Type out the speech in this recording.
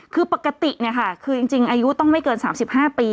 คือปกติเนี่ยค่ะคือจริงอายุต้องไม่เกิน๓๕ปี